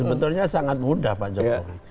sebetulnya sangat mudah pak jokowi